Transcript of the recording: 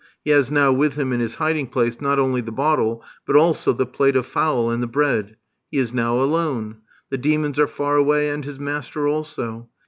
He has now with him in his hiding place not only the bottle, but also the plate of fowl and the bread. He is now alone. The demons are far away, and his master also.